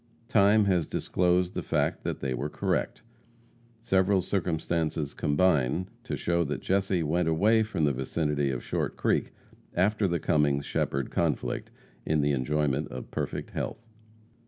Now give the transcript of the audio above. Time has disclosed the fact that they were correct. Several circumstances combine to show that Jesse went away from the vicinity of Short Creek, after the Cummings Shepherd conflict, in the enjoyment of perfect health.